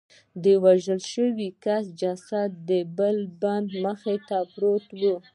د وژل شوي کس جسد د بل بندي مخې ته پروت و